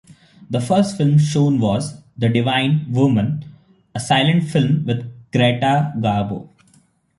The first film shown was "The Divine Woman", a silent film with Greta Garbo.